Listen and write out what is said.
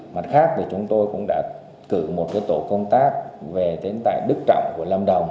mặt khác thì chúng tôi cũng đã cử một tổ công tác về đến tại đức trọng của lâm đồng